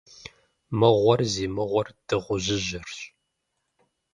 Мыгъуэр зи мыгъуэр Дыгъужьыжьырщ.